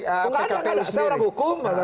nggak ada saya orang hukum